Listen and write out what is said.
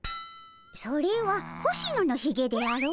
それは星野のひげであろ？